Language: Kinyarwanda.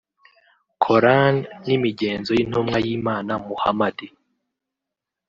Coran n’imigenzo y’intumwa y’Imana Muhamadi